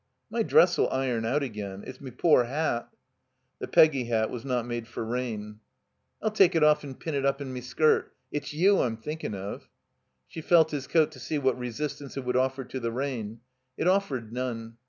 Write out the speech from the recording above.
My dress *11 iron out again. It's me poor hat." (The Peggy hat was not made for rain.) 371 it tt THE COMBINED MAZE ''I'll take it off and pin it up in me skirt. It's you I'm thinking of." She felt his coat to see what resistance it would offer to the rain. It offered none.